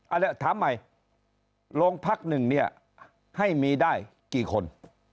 อันนี้ถามใหม่โรงพักหนึ่งเนี่ยให้มีได้กี่คน